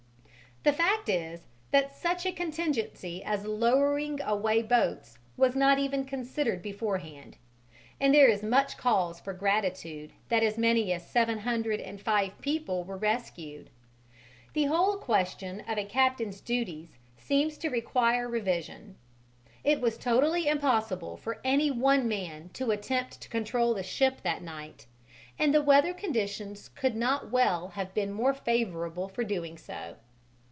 The fact is that such a contingency as lowering away boats was not even considered beforehand, and there is much cause for gratitude that as many as seven hundred and five people were rescued. The whole question of a captain's duties seems to require revision. It was totally impossible for any one man to attempt to control the ship that night, and the weather conditions could not well have been more favourable for doing so.